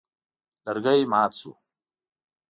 لرګی مات شو.